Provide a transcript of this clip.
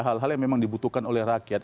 hal hal yang memang dibutuhkan oleh rakyat